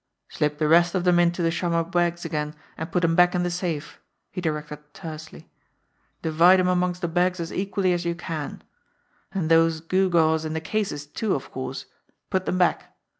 "Slip the rest of them into the chamois bags again, and put 'em back in the safe," he directed tersely. "Divide 'em amongst the bags as equally as you can. And those gew gaws in the cases, too, of course put them back.